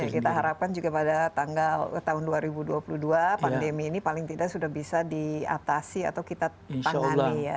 kita harapkan juga pada tanggal tahun dua ribu dua puluh dua pandemi ini paling tidak sudah bisa diatasi atau kita tangani ya